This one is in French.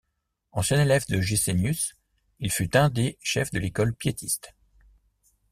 Ancien élève de Gesenius, il fut un des chefs de l'école piétiste.